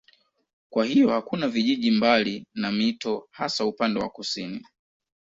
Kwa hiyo hakuna vijiji mbali na mito hasa upande wa kusini.